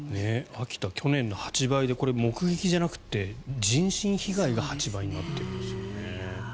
秋田、去年の８倍でこれ、目撃じゃなくて人身被害が８倍になっているんですよね。